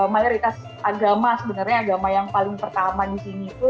mayoritas agama sebenarnya agama yang paling pertama di sini itu